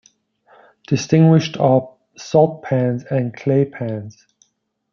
Distinguished are "salt pans" and "clay pans".